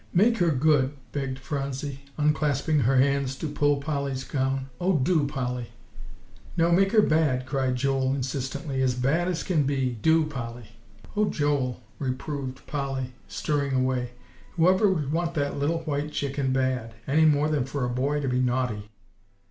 "Make her good," begged Phronsie, unclasping her hands to pull Polly's gown; "oh do, Polly!" "No, make her bad," cried Joel insistently; "as bad as can be, do, Polly!" "O Joel!" reproved Polly, stirring away; "whoever would want that little white chicken bad any more than for a boy to be naughty."